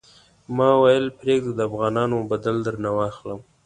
ما ویل پرېږده د افغانانو بدل درنه واخلم.